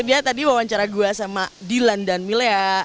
dia tadi wawancara gue sama dilan dan milea